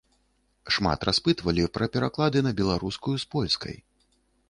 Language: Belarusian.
Шмат распытвалі пра пераклады на беларускую з польскай.